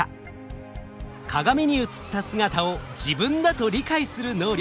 鏡に映った姿を自分だと理解する能力鏡像自己認知。